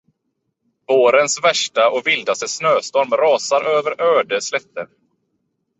Vårens värsta och vildaste snöstorm rasar över öde slätter.